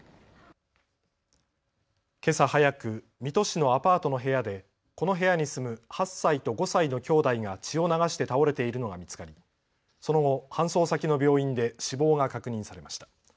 けさ早く水戸市のアパートの部屋でこの部屋に住む８歳と５歳のきょうだいが血を流して倒れているのが見つかりその後、搬送先の病院で死亡が確認されました。